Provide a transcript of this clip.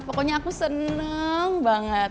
pokoknya aku seneng banget